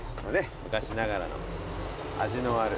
昔ながらの味のある。